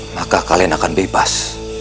maka kalian akan bebas